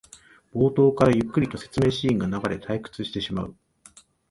冒頭からゆっくりと説明シーンが流れ退屈してしまう